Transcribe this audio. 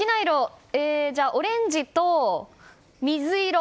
じゃあ、オレンジと水色！